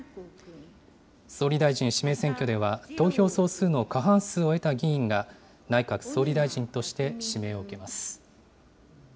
総理大臣指名選挙では、投票総数の過半数を得た議員が、内閣総理大臣として指名を受けます。